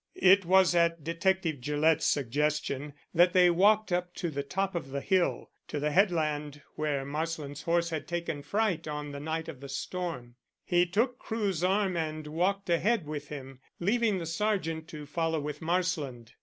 It was at Detective Gillett's suggestion that they walked up to the top of the hill, to the headland where Marsland's horse had taken fright on the night of the storm. He took Crewe's arm and walked ahead with him, leaving the sergeant to follow with Marsland.